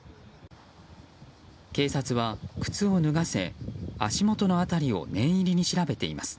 警察は、靴を脱がせ足元の辺りを念入りに調べています。